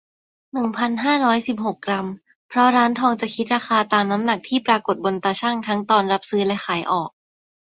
หนึ่งพันห้าร้อยสิบหก กรัม เพราะร้านทองจะคิดราคาตามน้ำหนักที่ปรากฏบนตาชั่งทั้งตอนรับซื้อและขายออก